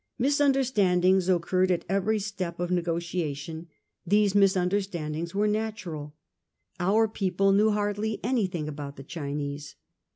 Misunder standings occurred at every new step of negotiation. These misunderstandings were natural. Our people knew hardly anything about the Chinese.